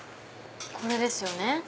これですよね。